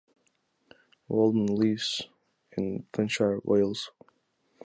Walden lives in Flintshire, Wales.